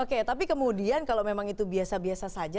oke tapi kemudian kalau memang itu biasa biasa saja